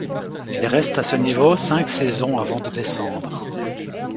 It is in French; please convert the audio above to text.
Il reste à ce niveau cinq saisons avant de descendre.